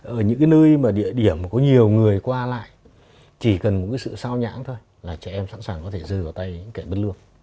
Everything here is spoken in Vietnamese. ở những nơi địa điểm có nhiều người qua lại chỉ cần một sự sao nhãn thôi là trẻ em sẵn sàng có thể rơi vào tay kẻ bất lương